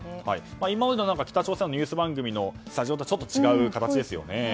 今までの北朝鮮のニュース番組のスタジオとはちょっと違う形ですよね。